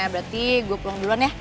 berarti gue plung duluan ya